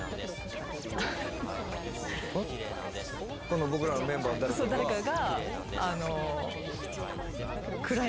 この僕らのメンバーの誰かが？